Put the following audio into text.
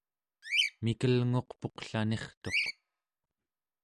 mikelnguq puqlanirtuq